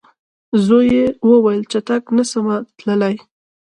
زوی یې وویل چټک نه سمه تللای